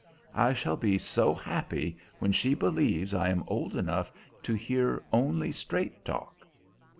I shall be so happy when she believes I am old enough to hear only straight talk."